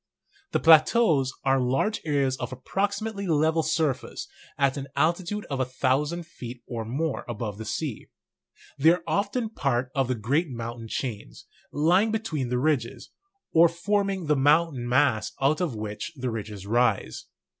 The plateaus are large areas of approximately level surface at an altitude of a thousand feet or more above the sea. They are often parts of the great moun tain chains, lying between the ridges, or forming the mountain mass out of which the ridges rise.